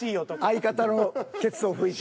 相方のケツを拭いて。